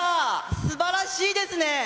すばらしいですね。